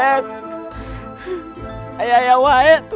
aku percaya akan janjinmu